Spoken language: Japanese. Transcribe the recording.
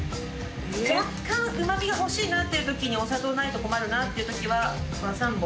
若干うま味が欲しいなっていう時にお砂糖ないと困るなっていう時は和三盆。